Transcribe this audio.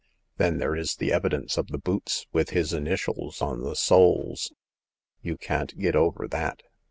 Then there is the evidence of the boots with his initials on the soles. You can't get over that.